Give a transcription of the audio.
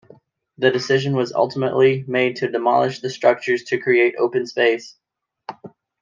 The decision was ultimately made to demolish the structures to create open space.